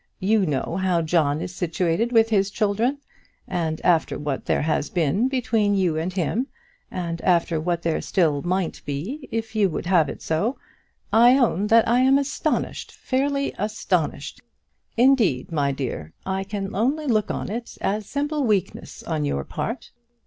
You know how John is situated with his children. And after what there has been between you and him, and after what there still might be if you would have it so, I own that I am astonished fairly astonished. Indeed, my dear, I can only look on it as simple weakness on your part.